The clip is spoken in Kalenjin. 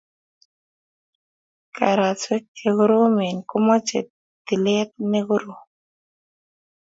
Kasarwek che koromen komoche tilet ne korom